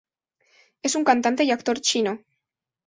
Es un cantante y actor chino.